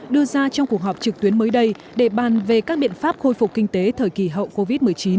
đưa ra trong cuộc họp trực tuyến mới đây để bàn về các biện pháp khôi phục kinh tế thời kỳ hậu covid một mươi chín